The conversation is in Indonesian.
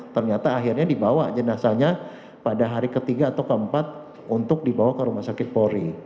ternyata akhirnya dibawa jenazahnya pada hari ketiga atau keempat untuk dibawa ke rumah sakit polri